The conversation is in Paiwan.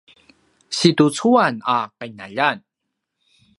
situcuan a qinaljan